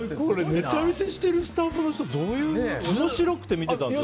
ネタ見せしてるスタッフの人は面白くて見てたんですかね。